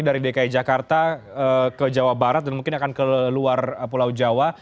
dari dki jakarta ke jawa barat dan mungkin akan ke luar pulau jawa